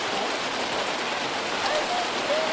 足すくむ！